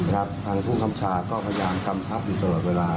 ทางภูมิคำชาก็พยายามกำชับอยู่ตลอดเวลา